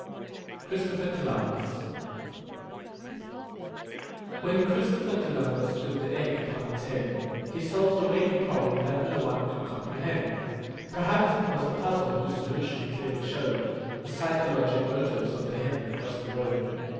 CHRISTOPHER COLUMBUS When Christopher Columbus stood the egg upon its end, He solved a weighty problem that no one could comprehend Perhaps it was the puzzle whose solution clearly showed The psychologic motives of the hen that crossed the road.